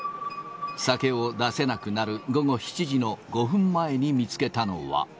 酒を出せなくなる午後７時の５分前に見つけたのは。